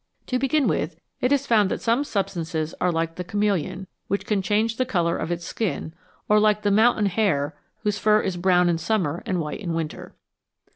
To begin with, it is found that some substances are like the chameleon, which can change the colour of its skin, or like the mountain hare, whose fur is brown in summer and white in winter.